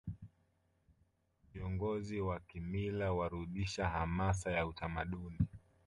viongozi wa kimila warudisha hamasa ya utamaduni